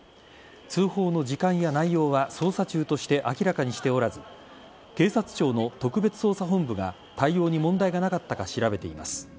通報の時間や内容は捜査中として明らかにしておらず警察庁の特別捜査本部が対応に問題がなかったか調べています。